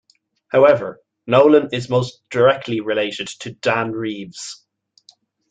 However, Nolan is most directly related to Dan Reeves.